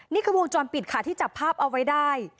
นี่คือวงจรปิดค่ะที่จับภาพเอาไว้ได้